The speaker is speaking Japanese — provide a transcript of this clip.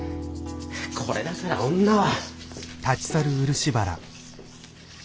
これだから女は。